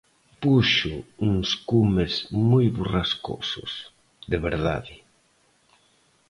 Puxo uns cumes moi borrascosos, de verdade.